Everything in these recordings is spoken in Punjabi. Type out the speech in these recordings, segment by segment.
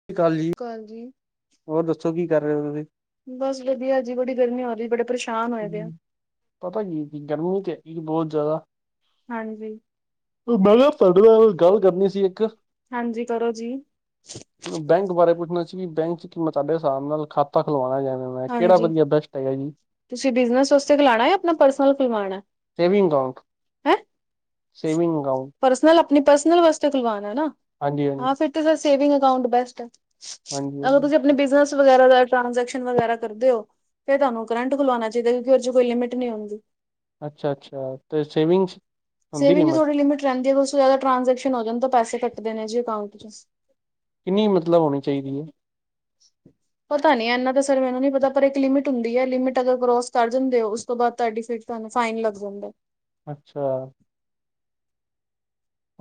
ਸਤਿ ਸ਼੍ਰੀ ਅਕਾਲ ਜੀ, ਕਾਲ ਜੀ ਹੋਰ ਦੱਸੋ ਕੀ ਕਰ ਰੇ ਓ ਤੁਸੀਂ? ਬਸ ਵਧੀਆ ਜੀ ਬੜੀ ਗਰਮੀ ਹੋ ਰੀ ਬੜੇ ਪਰੇਸ਼ਾਨ ਹੋਏ ਦੇ ਆ ਹੂੰ ਪਤਾ ਕੀ ਗਰਮੀ ਤੇ ਹੈਗੀ ਬੋਤ ਜ਼ਾਦਾ। ਹਾਂਜੀ। ਰਜਾਈ ਤੁਹਾਡੇ ਨਾਲ ਮੈ ਇੱਕ ਗੱਲ ਕਰਨੀ ਸੀਗੀ, ਹਾਂਜੀ ਕਰੋ ਜੀ। ਬੈਂਕ ਬਾਰੇ ਪੁੱਛਨਾ ਸੀ ਵੀ ਬੈਂਕ ਚ ਕਿ ਮੈਂ ਤਾਡੇ ਸਾਬ ਨਾਲ ਖਾਤਾ ਖੁਲਵਾਨਾ ਵੇ ਮੈਂ ਕਿਹੜਾ ਹਾਂਜੀ ਵਧੀਆ ਬੈਸਟ ਕਿਵੇਂ ਜੀ, ਤੁਸੀਂ ਬਿਜਨਸ ਵਾਸਤੇ ਖੁਲਾਉਣਾ ਯਾ ਆਪਣਾ ਪਰਸਨਲ ਖਲਵਾਣਾ ਏ। ਸੇਵਿੰਗ ਅਕਾਊਂਟ, ਹੈਂ ਸੇਵਿੰਗ ਅਕਾਊਂਟ ਪਰਸਨਲ ਆਪਣੀ ਪਰਸਨਲ ਵਾਸਤੇ ਖੁਲਵਾਨ ਨਾ ਹਾਂਜੀ, ਹਾਂਜੀ, ਹਾਂ, ਤੇ - ਫੇਰ ਸੇਵਿੰਗ ਅਕਾਊਂਟ ਬੈਸਟ ਏ, ਹਾਂਜੀ, ਅਗਰ ਹਾਂਜੀ। ਤੁਸੀਂ ਆਪਣੇ ਬਿਜਨਸ ਵਗੈਰਾ ਵਾਸ- ਟ੍ਰਾਂਜੈਕਸ਼ਨ ਵਗੈਰਾ ਕਰਦੇ ਹੋ, ਫੇਰ ਤੁਹਾਨੂੰ ਕਰੰਟ ਖਲਵਾਉਣਾ ਚਾਹੀਦਾ ਕਿਉਂਕਿ ਓਦੇ ਚ ਕੋਈ ਲਿਮਿਟ ਨਹੀਂ ਹੁੰਦੀ। ਅੱਛਾ- ਅੱਛਾ। ਤੇ ਸੇਵਿੰਗਸ ਸੇਵਿੰਗ ਚ ਥੋੜੀ ਲਿਮਿਟ ਰਹਿੰਦੀ ਆ ਬਸ। ਜ਼ਿਆਦਾ ਟਰਾਂਜੈਕਸ਼ਨ ਹੋ ਜਾਣ ਤਾਂ ਪੈਸੇ ਕੱਟਦੇ ਨੇ ਜੀ ਅਕਾਊਂਟ ਚ। ਕਿੰਨੀ ਮਤਲਬ ਹੋਣੀ ਚਾਹੀਦੀ ਹੈ। ਪਤਾ ਨੀ ਇਹਨਾ ਤਾਂ ਸਰ ਮੈਨੂੰ ਨੀ ਪਤਾ ਪਰ ਇੱਕ ਲਿਮਿਟ ਹੁੰਦੀ ਹੈ ਲਿਮਿਟ ਅਗਰ ਕਰੋਸ ਕਰ ਜਾਂਦੇ ਹੋ ਉਸ ਤੋਂ ਬਾਅਦ ਤੁਹਾਡੀ ਫਿਰ- ਤੁਾਨੂੰ ਫਾਈਨ ਲਗ ਜਾਂਦਾ। ਅੱਛਾ।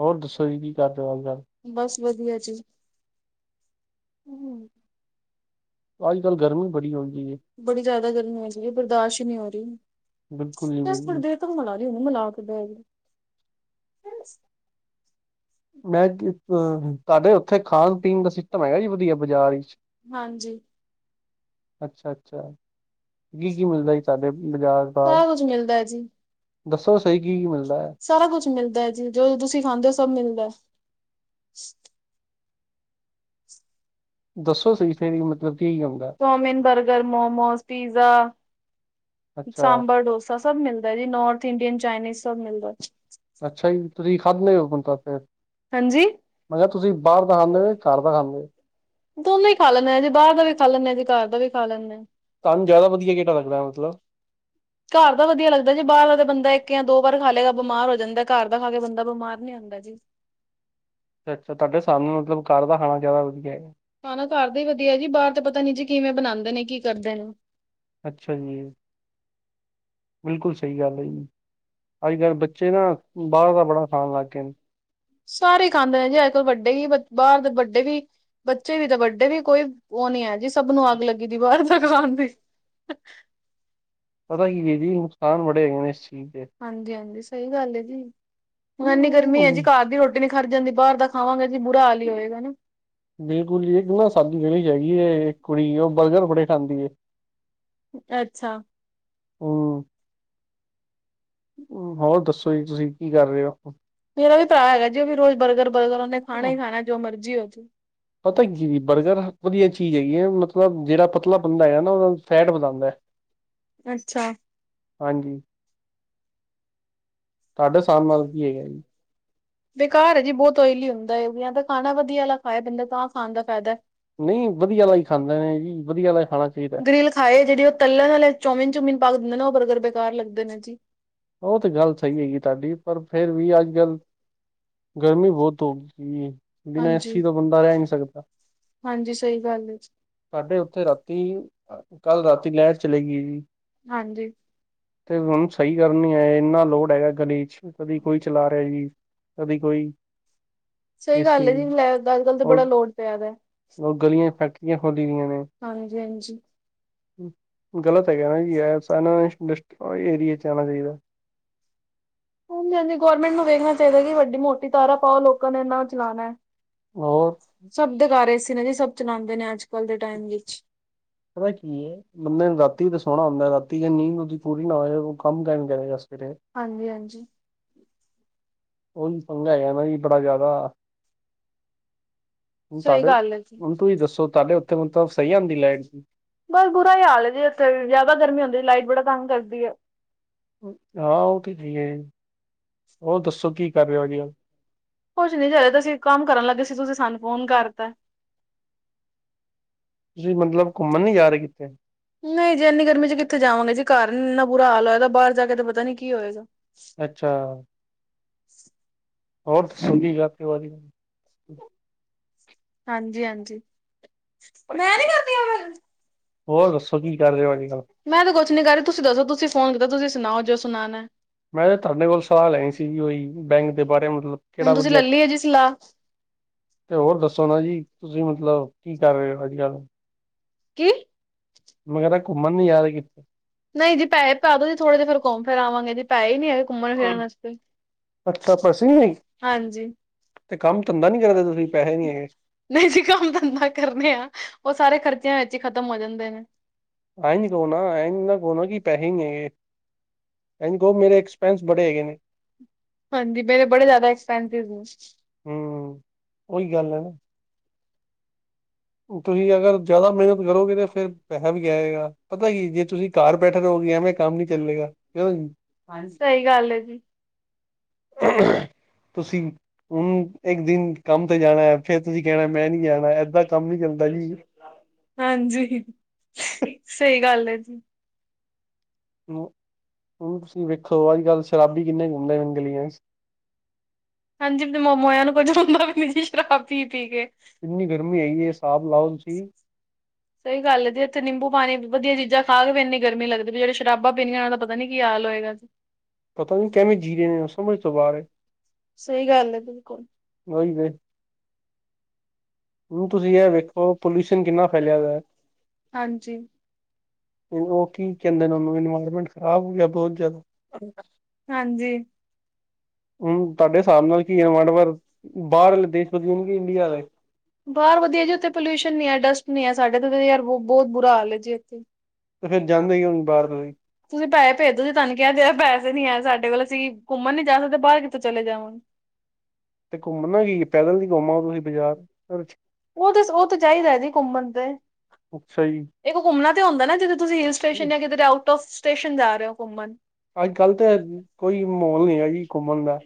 ਹੋਰ ਦੱਸੋ ਜੀ ਕੀ ਕਰਦੇ ਹੋ ਅੱਜ ਕੱਲ? ਬਸ ਵਧੀਆ ਜੀ। ਅੱਜ ਕੱਲ ਗਰਮੀ ਬੜੀ ਹੋਈ ਹੈ ਬੜੀ ਜ਼ਿਆਦਾ ਗਰਮੀ ਹੋ ਸੀ ਹੈ ਬਰਦਾਸ਼ਤ ਹੀ ਨਹੀਂ ਹੋ ਰਹੀ। ਬਿਲਕੁਲ ਜੀ ਬਿਲ- ਥੋੜੀ ਦੇਰ ਤੱਕ ਬੂਲਾ ਲੀ ਹੁ ਉਹਨੂ ਬੂਲਾ ਕੇ ਬਹਿ ਗੀ- ਹਮ ਮੈਂ ਅ ਤੁਹਾਡੇ ਉੱਥੇ ਖਾਣ- ਪੀਣ ਦਾ ਸਿਸਟਮ ਹੈਗਾ ਜੀ ਵਧੀਆ ਬਾਜ਼ਾਰ ਵਿੱਚ। ਹਾਂਜੀ। ਅੱਛਾ- ਅੱਛਾ ਕੀ- ਕੀ ਮਿਲਦਾ ਸੀ ਤੁਹਾਡੇ ਓਥ ਬਾਜ਼ਾਰ ਦਾ। ਸਾਰਾ ਕੁੱਝ ਮਿਲਦਾ ਹੈ ਜੀ। ਦੱਸੋ ਸਹੀ ਕੀ- ਕੀ ਮਿਲਦਾ ਹੈ। ਸਾਰਾ ਕੁੱਛ ਮਿਲਦਾ ਏ ਜੀ, ਜੋ ਤੁਸੀਂ ਖਾਂਦੇ ਹੋ ਸਭ ਮਿਲਦਾ। ਦੱਸੋ ਸਹੀ ਫੇਰ ਮਤਲਬ ਕੀ ਕੀ ਹੁੰਦਾ ਚੋਮੀਨ, ਬਰਗਰ, ਮੋਮੋਜ, ਪੀਜ਼ਾ- ਅੱਛਾ ਸਾਂਬਰ ਡੋਸਾ, ਸਭ ਮਿਲਦਾ ਜੀ ਨੋੌਰਥ ਇੰਡੀਅਨ, ਚਾਈਨੀਜ਼ ਸਭ ਮਿਲਦਾ। ਅੱਛਾ ਜੀ ਤੁਸੀਂ ਖਾਂਧੇ ਹੋ ਹੁਣ ਤਾਂ ਫੇਰ। ਹਾਂਜੀ। ਮੈਂ ਕਿਹਾ ਤੁਸੀਂ ਬਾਹਰ ਦਾ ਖਾਂਦੇ ਹੋ ਘਰ ਦਾ ਖਾਂਦੇ ਹੋ? ਦੋਨੋਂ ਹੀ ਖਾ ਲੈਂਦੇ ਹਾਂ ਜੀ ਬਾਹਰ ਦਾ ਵੀ ਖਾ ਲੈਂਦੇ ਹਾਂ ਜੀ ਘਰ ਦਾ ਵੀ ਖਾ ਲੈਂਦੇ ਹਾਂ। ਤੁਾਨੂੰ ਜਿਆਦਾ ਵਧੀਆ ਕਿਹੜਾ ਲੱਗਦਾ ਵੇ? ਮਤਲ- ਘਰ ਤਾਂ ਵਧੀਆ ਲੱਗਦਾ ਜੇ ਬਾਰ ਦਾ ਬੰਦਾ ਇਕ ਜਾਂ ਦੋ ਵਾਰੀ ਖਾ ਲੇਗਾ ਬਿਮਾਰ ਹੋ ਜਾਂਦਾ। ਘਰ ਦਾ ਖਾ ਕੇ ਬੰਦਾ ਬਿਮਾਰ ਨੀ ਹੁੰਦਾ ਜੀ। ਅੱਛਾ ਛਾ ਤੁਹਾਡੇ ਹਸਾਬ ਨਾਲ ਮਤਲਬ ਘਰ ਦਾ ਖਾਣਾ ਜ਼ਿਆਦਾ ਵਧੀਆ ਹੈ। ਖਾਨਾ ਘਰ ਦਾ ਹੀ ਵਧੀਆ ਜੀ ਬਾਹਰ ਤੇ ਪਤਾ ਨੀ ਜੀ ਕਿਵੇਂ ਬਣਾਉਂਦੇ ਨੇ ਕੀ ਕਰਦੇ ਨੇ। ਅੱਛਾ ਜੀ, ਬਿਲਕੁਲ ਸਹੀ ਗੱਲ ਹੈ ਜੀ। ਅੱਜ ਕੱਲ ਬੱਚੇ ਨਾ, ਬਾਹਰ ਦਾ ਬੜਾ ਖਾਣ ਲੱਗ ਗਏ ਨੇ। ਸਾਰੇ ਹੀ ਖਾਂਦੇ ਨੇ ਜੀ ਅੱਜ ਕੱਲ ਵੱਡੇ ਵੀ ਬਾਹਰ ਦੇ ਵੱਡੇ ਵੀ। ਬੱਚੇ ਵੀ ਤੇ, ਵੱਡੇ ਵੀ ਕੋਈ ਉਹ ਨੀ ਹੈ ਜੀ ਸਭ ਨੂੰ ਅੱਗ ਲੱਗੀ ਦੀ ਬਾਹਰ ਦੇ ਖਉਣ ਦੀ। ਪਤਾ ਕੀ ਏ ਜੀ ਨੁਕਸਾਨ ਬੜੇ ਹੈਗੇ ਨੇ ਇਸ ਚੀਜ਼ ਦੇ। ਹਾਂਜੀ-ਹਾਂਜੀ ਸਈ ਗੱਲ ਏ ਜੀ, ਹੁਣ ਇੰਨੀ ਗਰਮੀ ਐ ਜੀ ਘਰ ਦੀ ਰੋ ਟੀ ਨੇ ਖਰ ਜਾਂਦੀ ਬਰ ਦਾ ਖਾਵਾਂਗੇ ਜੀ ਬੁਰਾ ਹਾਲ ਈ ਹੋਏਗਾ ਨਾ। ਬਿਲਕੁੱਲ ਜੀ ਇੱਕ ਨਾ ਸਾਡੀ ਜੇੜੀ ਹੈਗੀ ਏ ਇੱਕ ਕੁੜੀ ਓ ਬਰਗਰ ਬੜੇ ਖਾਂਦੀ ਏ। ਅੱਛਾ। ਹੂੰ। ਹੋਰ ਦੱਸੋ ਜੀ ਤੁਸੀਂ ਕੀ ਕਰ ਰੇ ਓ? ਮੇਰਾ ਵੀ ਭਰਾ ਹੈਗਾ ਜੀ ਓ ਵੀ ਰੋਜ਼ ਬਰਗਰ-ਬਰਗਰ ਉਨੇ ਖਾਣਾ ਈ ਖਾਣਾ ਜੋ ਮਰਜ਼ੀ ਹੋਜੇ। ਪਤਾ ਕੀ ਜੀ, ਬਰਗਰ ਵਧੀਆ ਚੀਜ਼ ਹੈਗੀ ਹੈ ਮਤਲਬ ਜਿਹੜਾ ਜੇੜਾ ਪਤਲਾ ਵਧੀਆ ਬੰਦਾ ਹੁੰਦਾ ਹੈਗਾ ਐ ਨਾ ਬਈ ਉਹਦਾ ਬੈ ਫੈਟ ਕੇ ਵਧਾਉਂਦਾ ਖਾਦੈ। ਹੈ। ਅੱਛਾ। ਹਾਂਜੀ। ਤੁਹਾਡਾ ਸਾਅਮ ਨਾਲ ਕੀ ਹੈਗਾ ਜੀ। ਬੇਕਾਰ ਐ ਜੀ ਬੋਤ ਓਇਲੀ ਹੁੰਦਾ ਐ ਜਾਂ ਤਾਂ ਖਾਣਾ ਵਧੀਆ ਆਲਾ ਖਾਏ ਬੰਦਾ ਤਾਂ ਖਾਣ ਦਾ ਫ਼ਾਇਦੈ। ਨਹੀਂ ਵਧੀਆ ਵਾਲਾ ਹੀ ਖਾਂਦੇ ਨੇ ਜੀ ਵਧੀਆ ਵਾਲਾ ਹੀ ਖਾਣਾ ਚਾਹੀਦਾ ਗ੍ਰਿਲ ਖਾਏ ਜੇੜੀ ਓ ਤੱਲੇ ਵਾਲੇ ਚੌਮੀਨ ਚੂਮੀਨ ਪਾਕੇ ਦਿੰਦੇ ਨੇ ਓ ਬਰਗਰ ਬੇਕਾਰ ਲੱਗਦੇ ਨੇ ਜੀ। ਓ ਤੇ ਗੱਲ ਸਈ ਹੈਗੀ ਤੁਹਾਡੀ ਪਰ ਫੇਰ ਵੀ ਅੱਜ-ਕੱਲ ਗਰਮੀ ਬੋਤ ਹੋ ਗਈ ਏ ਬਿਨਾਂ ਏ ਹਾਂਜੀ ਸੀ ਤੋਂ ਬੰਦਾ ਰੈ ਨੀ ਸਕਦਾ। ਹਾਂਜੀ ਸਹੀ ਗੱਲ ਹੈ ਸਾਡੇ ਉੱਥੇ ਰਾਤੀ ਅ ਕੱਲ ਰਾਤੀ ਲੈਟ ਚਲੇ ਗੀ ਜੀ ਹਾਂਜੀ। ਤੇ ਹੁਣ ਸਈ ਕਰਨੀ ਆਏ ਇੰਨਾ ਲੋੜ ਹੈਗਾ ਗਲੀ 'ਚ ਕਦੀ ਕੋਈ ਚਲਾ ਰੇਆ ਜੀ ਕਦੀ ਕੋਈ। ਸਈ ਗੱਲ ਏਸੀ ਐ ਜੀ ਲੈਟ ਦਾ ਅੱਜ-ਕੱਲ ਤੇ ਔਰ ਬੜਾ ਲੋੜ ਪਿਆ ਦੈ। ਗਲੀਆਂ ਫੈਕਟਰੀਆਂ ਖੋਲੀ ਹਾਂਜੀ-ਹਾਂਜੀ। ਗਲਤ ਹੈਗਾ ਨਾ ਜੀ ਐਸ ਐਨਾਂ ਇਨਡਸ ਏਰੀਏ 'ਚ ਆਣਾ ਚਾਈਦਾ। ਹਾਂਜੀ-ਹਾਂਜੀ ਗੌਰਮੈਂਟ ਨੂੰ ਵੇਖਣਾ ਚਾਈਦਾ ਕਿ ਵੱਡੀ ਮੋਟੀ ਤਾਰਾ ਪਾਓ ਲੋਕਾਂ ਨੇ ਏਨਾ ਚਲਾਣੈ। ਹੋਰ। ਸਭ ਦੇ ਘਰ ਏ ਸੀ ਨੇ ਜੀ ਸਭ ਚਲਾਂਦੇ ਨੇ ਅੱਜ-ਕੱਲ ਦੇ ਟਾਈਮ ਵਿੱਚ। ਪਤਾ ਕੀ ਐ ਬੰਦੇ ਨੂੰ ਰਾਤੀ ਦਾ ਸੋਣਾ ਹੁੰਦਾ, ਰਾਤੀ ਜੇ ਨੀਂਦ ਉਦੀ ਪੂਰੀ ਨਾ ਹੋਏ ਓ ਕੰਮ ਕਿਵੇਂ ਕਰੇਗਾ ਸਵੇਰੇ। ਹਾਂਜੀ-ਹਾਂਜੀ। ਉਹੀ ਪੰੰਗਾ ਹੈਗਾ ਨਾ ਜੀ ਬੜਾ ਜਿਆਦਾ ਹੁਣ ਸਹੀ ਤੁਹਾਡੇ, ਗੱਲ ਹੈ ਜੀ ਹੁਣ ਤੁਸੀਂ ਦੱਸੋ ਤੁਹਾਡੇ ਉੱਥੇ ਮਤਲਬ ਸਈ ਆਂਦੀ ਲਾਈਟ ਜੀ? ਬਸ ਬੁਰਾ ਈ ਹਾਲ ਐ ਜੀ ਇੱਥੇ ਵੀ ਜਿਆਦਾ ਗਰਮੀ ਹੁੰਦੀ ਲਾਈਟ ਬੜਾ ਤੰਗ ਕਰਦੀ ਐ। ਹਾਂ ਓ ਤੇ ਹੈਈ ਐ ਜੀ। ਕੱਲ ਕੁਛ ਨੀ ਜਦੇ ਤੁਸੀਂ ਕੰਮ ਕਰਨ ਲੱਗੇ ਸੀ ਤੁਸੀਂ ਸਾਨੂੰ ਫ਼ੋਨ ਕਰਤੈ। ਤੁਸੀਂ ਮਤਲਬ ਘੁੰਮਨ ਨੀ ਜਾ ਰੇ ਕਿਤੇ? ਨਈ ਜੀ ਐਨੀ ਗਰਮੀ ਚ ਕਿਥੇ ਜਾਂਵਾਂਗੇ ਜੀ ਘਰ ਨ ਇੰਨਾ ਬੁਰਾ ਹਾਲ ਹੋਏਦਾ ਬਾਰ ਜਾ ਕੇ ਤੇ ਪਤਾ ਨੀ ਕੀ ਹੋਏਗਾ। ਅੱਛਾ। ਹੋਰ ਸੁਨੀ ਜਾ ਕੇ ਵੱਧ ਗਰਮੀ। ਹਾਂਜੀ-ਹਾਂਜੀ। ਮੈਂ ਨੀ ਕਰਦੀ ਐਵੇਂ, ਹੋਰ ਦੱਸੋ ਕੀ ਕਰ ਰਹੇ ਹੋ ਅੱਜ ਕੱਲ ਮੈਂ ਤੇ ਕੁਛ ਨੀ ਕਰ ਰੀ ਤੁਸੀਂ ਦੱਸੋ ਤੁਸੀਂ ਫ਼ੋਨ ਕੀਤਾ ਤੁਸੀਂ ਸੁਣਾਓ ਜੋ ਸੁਣਾਣੈ। ਮੈਂ ਤੁਹਾਡੇ ਕੋਲ ਸਲਾਅ ਲੈਣੀ ਸੀਗੀ ਉਈ ਬੈਂਕ ਦੇ ਬਾਰੇ ਮਤਲਬ ਕੇੜਾ ਹੁਣ ਤੁਸੀਂ ਵਧੀਆ ਲੱਲੀ ਹੈ ਜੀ ਸਲਾਹ ਤੇ ਹੋਰ ਦੱਸੋ ਨਾ ਜੀ ਤੁਸੀਂ ਮਤਲਬ ਕੀ ਕਰ ਰੇ ਓ ਅੱਜ-ਕੱਲ? ਕੀ? ਮੈਂ ਕਿਹਾ ਘੁੰਮਨ ਨੀ ਯਾ ਰਹੇ ਕਿੱਤੇ? ਨਈ ਜੀ ਪੈਸੇ ਪਾ ਦੋ ਜੀ ਥੋੜੇ ਜੇ, ਫਿਰ ਘੁੰਮ-ਫਿਰ ਆਵਾਂਗੇ ਜੀ ਪੈਸੇ ਹੀ ਨੀ ਹੈਂਗੇ ਘੁੰਮਣ-ਫਿਰਨ ਵਾਸਤੇ। ਅੱਛਾ ਪੈਸੇ ਨੀ ਹੈਗੇ, ਹਾਂਜੀ ਤੇ ਕੰਮ-ਧੰਦਾ ਨੀ ਕਰਦੇ ਤੁਸੀਂ ਪੈਸੇ ਨਹੀਂ ਹੈਗੇ। ਨਹੀਂ ਜੀ ਕੰਮ-ਧੰਦਾ ਕਰਦੇ ਆਂ, ਉਹ ਸਾਰੇ ਖਰਚਿਆਂ ਵਿੱਚ ਈ ਖਤਮ ਹੋ ਜਾਂਦੇ ਨੇ। ਐਂ ਨੀ ਕਹੋ ਨਾਂ, ਐਂ ਨੀ ਨਾਂ ਕਹੋ, ਵੀ ਪੈਸੇ ਨੀਂ ਹੈਗੇ। ਐਂ ਨੀ ਕਹੋ ਮੇਰੇ ਐਕਸਪੈਂਸ ਬੜੇ ਹੈਗੇ ਨੇ ਹਾਂਜੀ, ਬਿੱਲ ਬੜੇ ਜਿਆਦਾ ਐਕਸਪੈਸਿਵ ਨੇ। ਹੂੰ, ਉਹੀ ਗੱਲ ਐ। ਤੁਸੀਂ ਅਗਰ ਜ਼ਿਆਦਾ ਮਿਹਨਤ ਕਰੋਗੇ ਤਾਂ, ਫਿਰ ਪੈਸਾ ਵੀ ਆਏਗਾ, ਪਤਾ ਕੀ ਜੇ ਤੁਸੀਂ ਘਰ ਬੈਠੇ ਰਹੋਗੇ, ਐਵੇਂ ਕੰਮ ਨੀ ਚੱਲੇਗਾ, ਕਿਉੰਜੀ ਕੀ ਹਾਲ ਐ ਜੀ। ਤੁਸੀਂ, ਹੂੰ ਇੱਕ-ਦਿਨ ਕੰਮ ਤੇ ਜਾਣਾ, ਫਿਰ ਤੁਸੀਂ ਕਹਿਣਾ ਮੈਂ ਨੀਂ ਜਾਣਾ, ਐਦਾਂ ਕੰਮ ਨੀ ਚੱਲਦਾ ਜੀ। ਹਾਂਜੀ, ਸਹੀ ਗੱਲ ਹੈ ਜੀ। ਹੁਣ, ਹੁਣ ਤੁਸੀਂ ਵੇਖੋ ਅੱਜ-ਕੱਲ ਸ਼ਰਾਬੀ ਕਿੰਨੇ ਗੁੰਮਦੇ ਨੇ ਗਲੀਆਂ 'ਚ ਹਾਂਜੀ, ਇੱਕ ਦਿਨ ਮਾਮਾ ਆਇਆ ਨਾ, [unintelligible] ਸ਼ਰਾਬ ਪੀ-ਪੀ ਕੇ। ਕਿੰਨੀ ਗਰਮੀ ਹੈਗੀ ਏ, ਹਿਸਾਬ ਲਾਓ ਤੁਸੀਂ ਸਹੀ ਗੱਲ ਹੈ ਜੀ, ਇੱਥੇ ਨਿੰਬੂ-ਪਾਣੀ ਵਧੀਆ ਚੀਜਾਂ ਖਾ ਕੇ ਇੰਨੀ ਗਰਮੀ ਲੱਗਦੀ ਵੀ, ਜਿਹੜੇ ਸ਼ਰਾਬਾਂ ਪੀਂਦੇ ਆ, ਉਹ ਪਤਾ ਨੀ ਕੀ ਹਾਲ ਹੋਏਗਾ ਜੀ। ਪਤਾ ਨੀ ਕਿਵੇਂ ਜਿਰੇ, ਸਮਝ ਤੋਂ ਬਾਰ ਐ। ਸਹੀ ਗੱਲ ਐ ਬਿਲਕੁਲ ਤੇ ਹੁਣ ਤੁਸੀਂ ਇਹ ਵੇਖੋ ਪੋਲਿਊਸ਼ਨ ਕਿੰਨਾ ਫੈਲਿਆ ਹਾਂਜੀ। ਓ ਕੀ ਕਹਿੰਦੇ ਨੇ ਉਹਨੂੰ ਇਨਵਾਇਰਮੈਂਟ ਖਰਾਬ ਹੋ ਗਿਆ, ਬਹੁਤ ਜ਼ਿਆਦਾ। ਹੁਣ ਤੁਹਾਡੇ ਹਿਸਾਬ ਨਾਲ ਕੀ ਆ ਵੰਡਵਰ, ਬਾਹਰਲੇ ਦੇਸ਼ ਵਧੀਆ ਨੇ ਕਿ ਇੰਡੀਆ ਦਾ। ਬਾਹਰ ਵਧੀਆ ਜੀ ਉੱਥੇ ਪੋਲਿਊਸ਼ਨ ਨੀ ਐ ਡਸਟ ਨੀ ਐ। ਸਾਡੇ ਤੇ ਯਾਰ ਬਹੁਤ ਬੁਰਾ ਹਾਲ ਐ ਜੀ ਇੱਥੇ ਤੇ ਫਿਰ ਜਾਂਦੇ ਕਿਉਂ ਨਹੀ ਬਾਹਰ ਤੁਸੀ। ਤੁਸੀਂ ਪੈਸ ਭੇਜਦੋ, ਤੁਹਾਨੂੰ ਕਿਹਾ ਤੇ ਹੈ, ਪੈਸੇ ਨੀ ਹੈ ਸਾਡੇ ਕੋਲ, ਅਸੀਂ ਘੁੰਮਣ ਨੀ ਜਾ ਸਕਦੇ। ਬਾਰ ਕਿਤੇ ਚਲੇ ਜਾਵਾਂ। ਤੇ ਘੁੰਮਣਾ ਕੀ, ਪੈਦਲ ਹੀ ਘੁੰਮ ਆਓ ਤੁਸੀਂ ਬਾਜ਼ਾਰ, ਅਛ ਉਹ ਤੇ ਉਹ ਤਾਂ ਚਾਹੀਦਾ ਜੀ ਘੁੰਮਨ ਤੇ ਅੱਛਾ ਜੀ। ਇਕ ਘੁੰਮਣਾ ਤੇ ਹੁੰਦਾ ਨਾ, ਜਿੱਥੇ ਤੁਸੀ ਹਿਲ ਸਟੇਸ਼ਨ ਜਾਂ ਕਿ ਆਊਟ ਆਫ ਸਟੇਸ਼ਨ ਜਾ ਰਹੇ ਹੋ ਘੁੰਮਣ ਅੱਜ- ਕੱਲ ਤੇ ਕੋਈ ਮਾਹੌਲ ਨੀ ਹੈਗਾ ਜੀ ਘੁੰਮਣ ਦਾ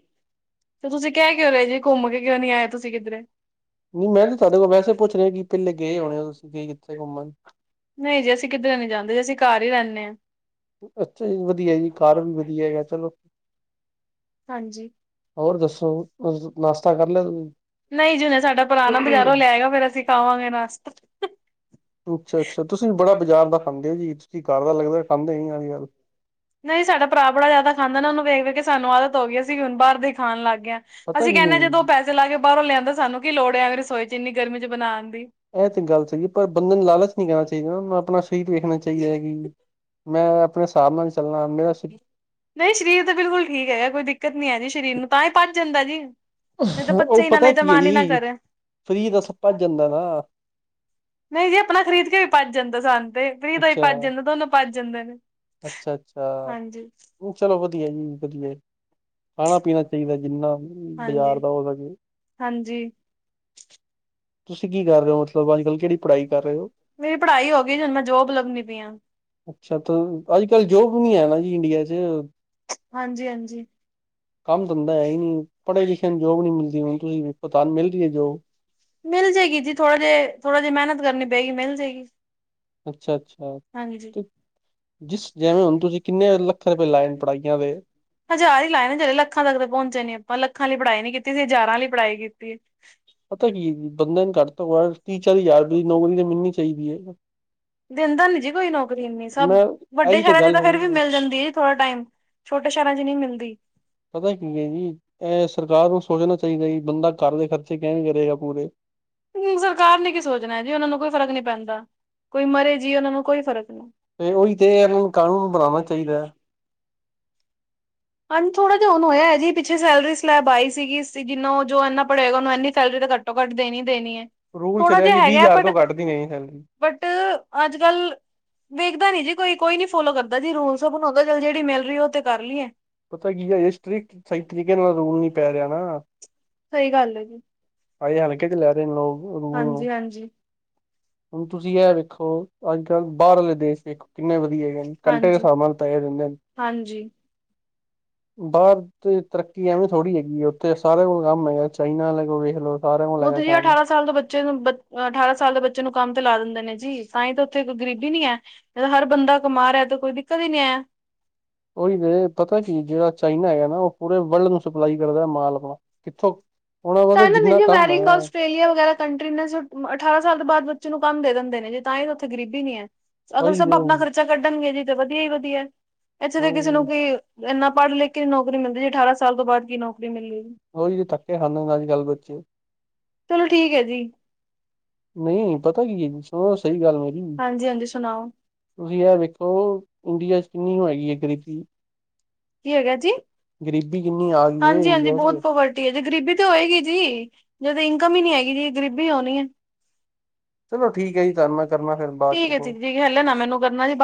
ਤੇ ਤੁਸੀਂ ਕਹਿ ਕਿਉਂ ਰੇ ਜੀ, ਘੁੰਮ ਕੇ ਕਿਉਂ ਨੀ ਆਏ ਤੁਸੀਂ ਕਿੱਧਰੇ ਨਹੀਂ ਮੈਂ ਤੇ ਤੁਹਾਡੇ ਕੋਲ ਵੈਸੇ ਪੁੱਛ ਰਿਹਾ ਕਿ ਪਹਿਲੇ ਗਏ ਹੋਣੇ ਹੋ ਤੁਸੀਂ ਗਏ ਕਿੱਥੇ ਘੁੰਮਣ। ਨਹੀਂ ਜੀ ਅਸੀਂ ਕਿੱਧਰੇ ਨੀ ਜਾਂਦੇ, ਅਸੀਂ ਘਰ ਹੀ ਰਹਿੰਦੇ। ਅੱਛਾ ਜੀ ਵਧੀਆ ਜੀ, ਘਰ ਵੀ ਵਧੀਆ ਹੈਗਾ ਚਲੋ। ਹਾਂਜੀ। ਹੋਰ ਦੱਸੋ ਨਾਸ਼ਤਾ ਕਰ ਲਿਆ ਤੁਸੀਂ ਨਹੀਂ ਜੀ ਜਿੰਨੇ ਸਾਡਾ ਪੁਰਾਣਾ, ਬਜ਼ਾਰੋਂ ਲੈ ਆਓ ਫਿਰ ਅਸੀਂ ਤਾਵਾਂਗੇ ਨਾਸ਼ਤਾ ਅੱਛਾ- ਅੱਛਾ ਤੁਸੀਂ ਬੜਾ ਬਾਜ਼ਾਰ ਦਾ ਖਾਂਦੇ ਓ ਜੀ, ਤੁਸੀਂ ਘਰ ਦਾ ਲੱਗਦਾ ਖਾਂਦੇ ਨੀ ਅੱਜ-ਕਲ ਨਹੀਂ ਸਾਡਾ ਭਰਾ ਬੜਾ ਜ਼ਿਆਦਾ ਖਾਂਦਾ ਨਾ, ਉਹਨੂੰ ਵੇਖ- ਵੇਖ ਕੇ ਸਾਨੂੰ ਆਦਤ ਹੋ ਗਈ ਏ, ਅਸੀ ਵੀ ਹੁਣ ਬਾਹਰ ਦਾ ਹੀ ਖਾਣ ਲੱਗ ਗਏ ਪਤਾ ਅਸੀਂ ਕਹਿੰਦੇ ਜਦੋਂ ਕੀ ਪੈਸੇ ਲਾ ਕੇ ਬਾਹਰੋਂ ਲਿਆਂਦਾ ਸਾਨੂੰ ਕੀ ਲੋੜ ਐ, ਐਂਵੇ ਰਸੋਈ 'ਚ ਇੰਨੀ ਗਰਮੀ 'ਚ ਬਣਾਉਣ ਦੀ। ਐਹ ਤੇ ਗੱਲ ਸੀਗੀ, ਪਰ ਬੰਦੇ ਨੂੰ ਲਾਲਚ ਨੀ ਕਰਨਾ ਚਾਹੀਦਾ, ਨੂੰ ਆਪਣਾ ਫਿਰ ਵੇਖਣਾ ਚਾਹੀਦਾ ਕਿ, ਮੈਂ ਆਪਣੇ ਹਿਸਾਬ ਨਾਲ ਚੱਲਣਾ, ਮੇਰਾ ਸਰੀਰ ਨਈਂ ਸ਼ਰੀਰ ਤੇ ਬਿਲਕੁਲ ਠੀਕ ਹੈਗਾ, ਕੋਈ ਦਿੱਕਤ ਨੀ ਹੈ ਜੀ ਸਰੀਰ ਨੂੰ ਤਾਂ ਹੀ ਪੱਚ ਜਾਂਦਾ ਜੀ। ਨਈਂ ਤੇ ਉਹ ਪੱਚੇ ਈ ਨਾ ਪਤਾ ਨਈਂ ਤੇ ਕੀ ਹੈ ਮਨ ਈ ਨਾ ਜੀ ਕਰੇ। ਫਰੀ ਦਾ ਸਭ ਭੱਜ ਜਾਂਦਾ ਨਾ ਨਈਂ ਜੀ ਅਪਨਾਂ ਖਰੀਦ ਕੇ ਵੀ ਪਚ ਜਾਂਦਾ ਸਾਨ ਤੇ, ਖਰੀਦ ਵੀ ਪੱਚ ਜਾਂਦਾ ਦੋਨੋ ਪੱਚ ਜਾਂਦੇ ਨੇ। ਅੱਛਾ-ਅੱਛਾ, ਹਾਂਜੀ, ਚਲੋ ਵਦੀਆ ਜੀ ਵਦੀਆ। ਖਾਣਾ-ਪੀਣਾ ਚਾਈਦੈ ਜਿੰਨਾ ਬਾਜਾਰ ਦਾ ਹੋ ਸਕੇ। ਹੰਜੀ। ਤੁਸੀਂ ਕੀ ਕਰ ਰੇਓ, ਮਤਲਬ ਅੱਜ-ਕੱਲ ਕੇੜੀ ਪੜਾਈ ਕਰ ਰੇਓ? ਮੇਰੀ ਪੜਾਈ ਹੋ ਗਈਏ ਹੁਣ ਮੈਂ ਜੋਬ ਲਬਣੀ ਪਈ ਆ। ਅੱਛਾ, ਤ ਅੱਜ-ਕੱਲ ਜੋਬ ਨੀਂ ਹੈਨਾ ਜੀ ਇੰਡੀਆ ਚ। ਹਾਂਜੀ-ਹਾਂਜੀ। ਕੰਮ-ਤੰਦਾਂ ਹੈਈਂ ਨੀਂ ਪੜੇ-ਲਿਖੇਆ ਨੂੰ ਜੋਬ ਨੀ ਮਿਲਦੀ ਹੁਣ, ਤੁਸੀਂ ਪਤਾ ਮਿਲ ਰਿਐ ਜੋਬ? ਮਿਲ ਜੇਗੀ ਜੀ ਥੋੜਾ ਜੇਆ ਥੋੜਾ ਜੀ ਮੇਨਤ ਕਰਨੀ ਪਏਗੀ, ਮਿਲ ਜੇਗੀ। ਅੱਛਾ-ਅੱਛਾ। ਹਾਂਜੀ। ਜਿਸ ਜੈਵੇਂ ਹੁਣ ਤੁਸੀਂ ਕਿੰਨੇ ਲੱਖਾ ਰਪਏ ਲਾਏ ਨੇ ਪੜਾਈਆਂ ਤੇ ਹਜਾਰਾਂ ਈਂ ਲਾਏ ਨੇ ਚਲੇ ਲੱਖਾਂ ਤੱਕ ਤੇ ਪੋਂਚੇ ਨੀ ਆਪਾਂ ਲੱਖਾਂ ਆਲੀ ਪੜ੍ਹਾਈ ਨੀ ਕੀਤੀ ਸੀ ਹਜਾਰਾਂ ਆਲੀ ਪੜਾਈ ਕੀਤੀਏ। ਪਤਾ ਕੀ ਏ ਜੀ ਬੰਦੇ ਘੱਟ ਤੋਂ ਤੀਹ-ਚਾਲੀ ਹਜਾਰ ਰਪਏ ਦੀ ਨੌਕਰੀ ਤੇ ਮਿਲਣੀ ਚਾਈਦੀ ਏ। ਦੇਂਦਾ ਨੀ ਜੀ ਕੋਈ ਨੌਕਰੀ ਇਨੀ, ਸਭ ਮੈਂ ਵੱਡੇ ਇਹੀ ਤੇ ਸ਼ੈਰਾਂ ਚ ਗੱਲ ਤਾਂ ਹੈ, ਫੇਰ ਵੀ ਮਿਲ ਜਾਂਦੀ ਜੀ ਥੋੜਾ ਟਾਈਮ। ਛੋਟੇ ਸ਼ੈਰਾਂ ਚ ਨਈਂ ਮਿਲਦੀ। ਪਤਾ ਕੀ ਏ ਜੀ ਐ ਸਰਕਾਰ ਨੂੰ ਸੋਚਣਾ ਚਾਈਂਦਾ ਜੀ, ਬੰਦਾ ਘਰ ਦੇ ਖਰਚੇ ਕਿਵੇਂ ਕਰੇਗਾ ਪੂਰੇ? ਸਰਕਾਰ ਨੇ ਕੀ ਸੋਚਣਾ ਜੀ ਓਨਾਂ ਨੂੰ ਕੋਈ ਫਰਕ ਨੀਂ ਪੈਂਦਾ, ਕੋਈ ਮਰੇ-ਜੀਏ ਓਨਾਂ ਨੂੰ ਕੋਈ ਫਰਕ ਤੇ ਓਹੀ ਤੇ ਏਨਾਂ ਨੂੰ ਕਾਨੂੰਨ ਬਣਾਣਾ ਚਾਈਦੈ। ਹਾਂਜੀ, ਥੋੜਾ ਜੇਆ ਹੁਨ ਹੋਯਾ ਜੀ ਪਿੱਛੇ ਸੈਲਰੀ ਸਲੈਬ ਆਈ ਸੀਗੀ, ਨੋਂਜਵਾਨਾਂ ਏਨਾ ਪੜਿਆ ਹੋਏਗਾ ਓਨੂੰੰ ਇਨੀ ਸੈਲਰੀ ਤੇ ਘੱਟ ਟੋ ਘੱਟ ਦੇਨੀ, ਦੇਨੀ ਏ। ਰੂਲ ਚਲੇਆ ਸੀ ਵੀਹ ਹਜਾਰ ਤੋਂ ਕੱਟ ਦੇਨੀ ਨੀਂ ਸੈਲਰੀ। ਬਟ, ਅੱਜ-ਕੱਲ ਵੇਖਦਾ ਨੀ ਜੀ ਕੋਈ, ਕੋਈ ਨੀ ਫੋਲੋ ਕਰਦਾ ਜੀ ਰੂਲਸ ਸਬ ਨੂ ਹੂੰਦਾ ਚਲ ਜੇੜੀ ਮਿਲ ਰਿਐ ਓਤੇ ਕਰ ਲਈਏ। ਪਤਾ ਕੀ ਐ ਹਜੇ ਸਟੀ੍ਕ, ਸਈ ਤਰੀਕੇ ਨਾਲ ਰੂਲ ਨੀ ਪੈ ਰੇਆ ਨਾ। ਸਈ ਗੱਲ ਐਜੀ। ਆਏ ਹਲਕੇ ਚ ਲੈ ਰੇਨੇ ਲੋਕ, ਓ ਰੂਲ ਹਾਂਜੀ ਨੂੰ। ਹਾਂਜੀ ਹੁਣ ਤੁਸੀ ਐ ਵੇਖੋ ਅੱਜ-ਕੱਲ ਬਾਰ ਆਲੇ ਦੇਸ਼ ਵੇਖੋ ਕਿੰਨੇ ਵਧੀਆ ਹੈਗੇਨੇ। ਕੰਟੇ ਦੇ ਹਾਂਜੀ ਹਿਸਾਬ ਨਾਲ ਪੈਹੇ ਦੇਨੰਦੇਨ। ਹਾਂਜੀ ਬਾਰ ਤੇ ਤਰੱਕੀ ਐਵੇਂ ਥੋੜੀ ਹੈਗੀਏ ਉੱਥੇ ਸਾਰੇ ਕੋਲ ਕੰਮ ਹੈਗਾ, ਚਾਈਨਾ ਆਲੈ ਕੋਲ ਵੇਖ ਲੋ। [unintelligible] ਅਠਾਰਾਂ ਸਾਲ ਦੇ ਬੱਚੇ ਨੂੰ, ਬ ਅਠਾਰਾਂ ਸਾਲ ਦੇ ਬੱਚੇ ਨੂੰ ਕੰਮ ਤੇ ਲਾ ਦਿੰਦੇ ਨੇ ਜੀ ਤਾਈਂ ਤੇ ਔਥੇ ਕੋਈ ਗਰੀਬੀ ਨੀ ਐ। ਜੱਦ ਹਰ ਬੰਦਾ ਕਮਾ ਰੇਆ ਤੇ ਕੋਈ ਦਿੱਕਤ ਹੀ ਨੀਂ ਐ। [inaudible] ਉਹੀ ਤੇ ਪਤਾ ਕੀ ਜਿਹੜਾ ਚਾਈਨਾ ਹੈਗਾ ਨਾ ਉਹ ਪੂਰੇ ਵਰਲਡ ਨੂੰ ਸਪਲਾਈ ਕਰਦਾ ਮਾਲ ਆਪਣਾ ਕਿੱਥੋਂ ਉਹਨਾਂ ਕੋਲ ਤੇ ਤਾਂ ਨਾ ਜਿੰਨਾ ਕੰਮ ਹੈ ਮੈਰੀ [inaudible] ਆਸਟ੍ਰੇਲੀਆ ਵਗੈਰਾ ਕੰਟਰੀ ਨੇ ਸ ਅਠਾਰਾਂ ਸਾਲ ਦੇ ਬਾਦ ਬੱਚੇ ਨੂੰ ਕੰਮ ਦੇ ਦਿੰਦੇ ਨੇ ਜੇ ਤਾਈਂ ਤੇ ਓਥੇ ਗਰੀਬੀ ਨੀ ਐ। ਅਗਰ ਉਹੀ ਤੇ ਸਬ ਅਪਨਾ ਖਰਚਾ ਕੱਢਣਗੇ ਜੀ, ਤੇ ਵਦੀਆ ਈ ਵਦੀਆ ਇੱਥੇ ਤਾਂ ਕਿਸੇ ਨੂੰ ਉਹੀ ਕੀ ਏਨਾ ਪੜ੍ਹ-ਲਿਖ ਕੇ ਨੀ ਨੌਕਰੀ ਨੀਂ ਮਿਲਦੀ ਤੇ ਅਠਾਰਾਂ ਸਾਲ ਤੋਂ ਬਾਦ ਕੀ ਨੌਕਰੀ ਮਿਲੇਗੀ? ਓਹੀ ਤੇ ਧੱਕੇ ਖਾੰਦੇ ਪੇ ਨੇ ਅੱਜ-ਕੱਲ ਦੇ ਬੱਚੇ। ਚਲੋ ਠੀਕੈ ਜੀ। ਨਈਂ ਪਤਾ ਕੀ ਐ ਜੀ ਸੁਣੋ, ਸਈ ਗੱਲ ਏ ਮੇਰੀ। ਹਾਂਜੀ ਹਾਂਜੀ ਸੁਣਾਓ ਤੁਸੀਂ ਐ ਵੇਖੋ, ਇੰਡੀਆ ਚ ਕਿੰਨੀ ਔ ਹੈਗੀ ਏ ਗਰੀਬੀ। ਕੀ ਹੋਗਾ ਜੀ? ਗਰੀਬੀ ਕਿੰਨੀ ਆ ਗਈ ਹੈ ਹਾਂਜੀ, ਹਾਂਜੀ ਇੰਡੀਆ ਬਹੁਤ ਚ ਪੋਵਰ ਟੀ ਐ ਜੇ, ਗਰੀਬੀ ਤੇ ਹੋਏਗੀ ਜੀ ਜਦ ਇਨਕਮ ਈ ਨੀ ਹੈਗੀ ਜੀ ਗਰੀਬੀ ਹੋਣੀ ਏ। ਚਲੋ ਚੱਲੋ ਠੀਕ ਹੈ ਜੀ ਤੁਹਾਨੂੰ ਮੈਂ ਕਰਨਾ ਫਿਰ ਬਾਅਦ ਚ ਐ ਕੋਲ ਜੀ, ਠੀਕ ਜੀ ਹਲੇ ਨਾ ਮੈਨੂੰ ਕਰਨਾ ਜੀ ਬਾ